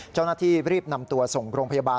เจ้าหน้าที่รีบนำตัวส่งโรงพยาบาล